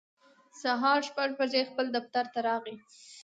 سهار شپږ بجې خپل دفتر راغی